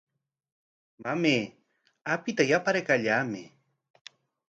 Mamay, apita yaparkallamay.